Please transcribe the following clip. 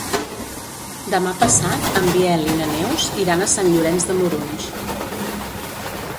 Demà passat en Biel i na Neus iran a Sant Llorenç de Morunys.